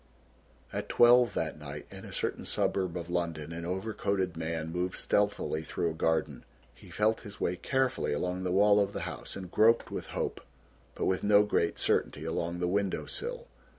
At twelve that night in a certain suburb of London an overcoated man moved stealthily through a garden. He felt his way carefully along the wall of the house and groped with hope, but with no great certainty, along the window sill.